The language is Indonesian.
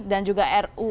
dan juga ruhp